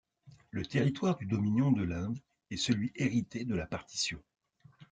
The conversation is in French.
Le territoire du dominion de l'Inde est celui hérité de la partition.